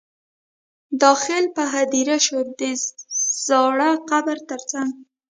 داخل په هدیره شو د زاړه قبر تر څنګ.